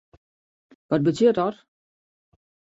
Wat betsjut dat?